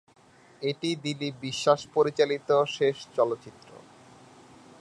এটি দিলীপ বিশ্বাস পরিচালিত শেষ চলচ্চিত্র।